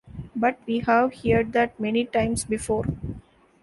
But we have heard that many times before.